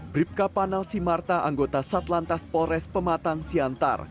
bripka panal simarta anggota satlantas polres pematang siantar